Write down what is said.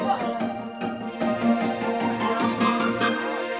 eh udah deh nih